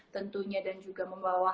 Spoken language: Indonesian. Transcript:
tentunya dan juga membawa